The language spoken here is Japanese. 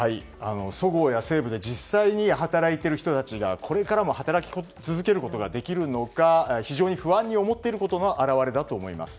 そごうや西武で実際に働いている人たちがこれからも働き続けることができるのか非常に不安に思っていることの表れだと思います。